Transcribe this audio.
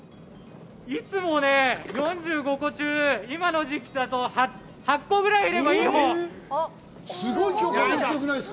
いつも４５個中、今の時期だと８個ぐらいいれば、いいほう。